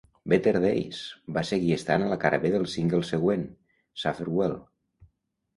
"Better Days" va seguir estant a la cara B del single següent, "Suffer Well".